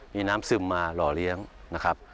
มีน้ำซึมมาหล่อเลี้ยงนะครับ